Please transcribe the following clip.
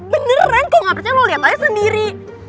beneran kok gak percaya lo liat aja sendiri